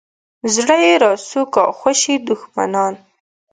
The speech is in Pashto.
زړه یې راسو کا خوشي دښمنان.